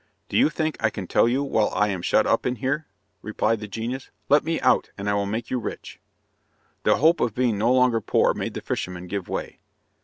"Do you think I can tell you while I am shut up in here?" replied the genius. "Let me out, and I will make you rich." The hope of being no longer poor made the fisherman give way.